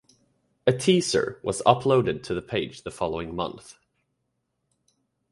A teaser was uploaded to the page the following month.